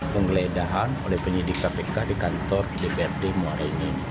penggeledahan oleh penyidik kpk di kantor dprd muara ini